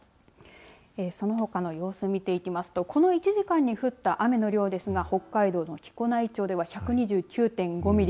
そのほかの様子、見ていきますとこの１時間に降った雨の量ですが北海道の木古内町では１２９．５ミリ。